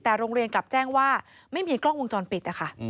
แต่โรงเรียนกลับแจ้งว่าไม่มีกล้องวงจรปิดนะคะ